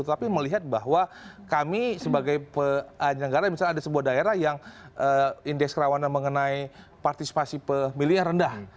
tapi melihat bahwa kami sebagai penyelenggara misalnya ada sebuah daerah yang indeks kerawanan mengenai partisipasi pemilihnya rendah